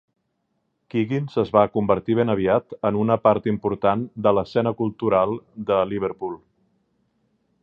Quiggins es va convertir ben aviat en una part important de l'escena cultural de Liverpool.